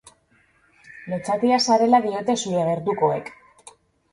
Lotsatia zarela diote zure gertukoek.